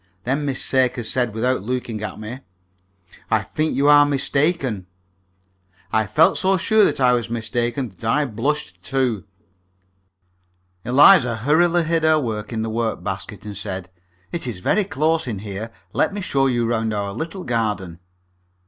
Then Miss Sakers said, without looking at me, "I think you are mistaken." I felt so sure that I was mistaken that I blushed, too. Eliza hurriedly hid her work in the work basket, and said, "It is very close in here. Let me show you round our little garden."